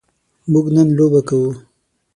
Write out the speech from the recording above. موږ نن لوبه کوو.